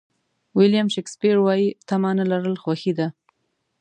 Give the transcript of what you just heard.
ویلیام شکسپیر وایي تمه نه لرل خوښي ده.